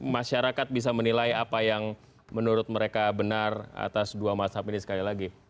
masyarakat bisa menilai apa yang menurut mereka benar atas dua mazhab ini sekali lagi